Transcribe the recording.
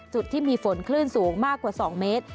จุดที่มีฝนคลื่นสูงมากกว่า๒เมตร